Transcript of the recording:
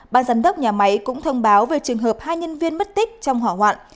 ban giám đốc nhà máy cũng thông báo về trường hợp hai nhân viên mất tích trong hỏa hoạn